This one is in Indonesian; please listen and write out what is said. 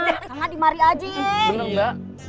kanan di mari aja ye